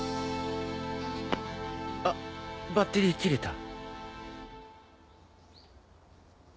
あっバッテリー切れた。